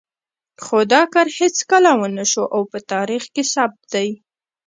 خو دا کار هېڅکله ونه شو او په تاریخ کې ثبت دی.